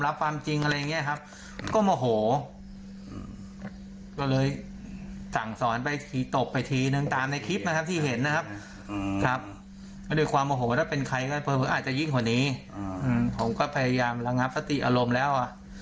อาจจะยิ่งกว่านี้ผมก็พยายามระงับพฤติอารมณ์แล้ว